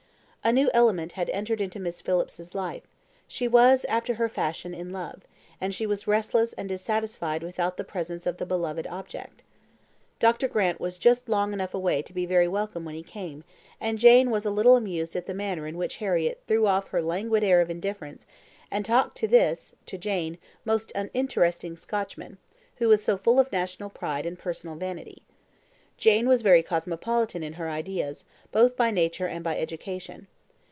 A new element had entered into Miss Phillips's life. She was, after her fashion, in love; and she was restless and dissatisfied without the presence of the beloved object. Dr. Grant was just long enough away to be very welcome when he came; and Jane was a little amused at the manner in which Harriett threw off her languid air of indifference, and talked to this (to Jane) most uninteresting Scotchman, who was so full of national pride and personal vanity. Jane was very cosmopolitan in her ideas, both by nature and by education.